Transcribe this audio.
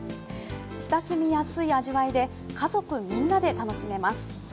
親しみやすい味わいで家族みんなで楽しめます。